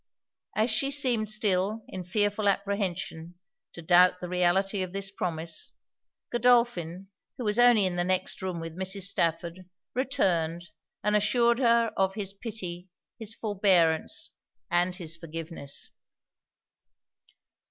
As she seemed still, in fearful apprehension, to doubt the reality of this promise, Godolphin, who was only in the next room with Mrs. Stafford, returned, and assured her of his pity, his forbearance and his forgiveness.